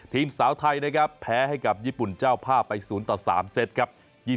ทีมเสาไทยนะครับแพ้ให้กับญี่ปุ่นเจ้าผ้าไปศูนย์ต่อ๓เซตครับ